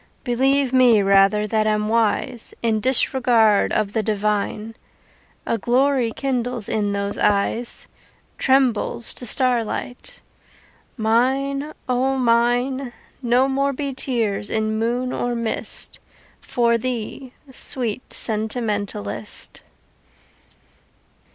Believe me rather that am wise In disregard of the divine, A glory kindles in those eyes Trembles to starlight. Mine, O Mine! No more be tears in moon or mist For thee, sweet sentimentalist.